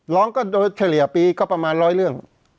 ร้องก็โดยเฉลี่ยปีก็ประมาณร้อยเรื่อง